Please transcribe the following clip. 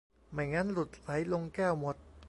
ไม่งั้นหลุดไหลลงแก้วหมด